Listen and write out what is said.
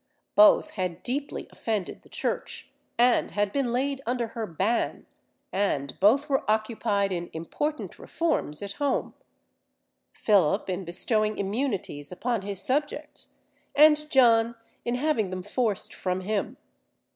Both had deeply offended the Church, and had been laid under her ban, and both were occupied in important reforms at home; Philip in bestowing immunities upon his subjects, and John in having them forced from him.